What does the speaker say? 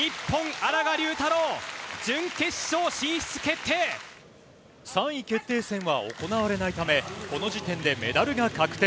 荒賀龍太郎、３位決定戦は行われないため、この時点でメダルが確定。